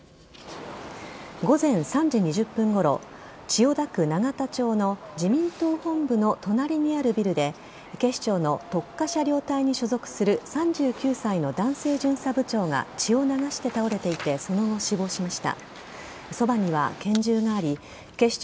午前３時２０分ごろ千代田区永田町の自民党本部の隣にあるビルで警視庁の特科車両隊に所属する３９歳の男性巡査部長が血を流して倒れていてその後死亡しました。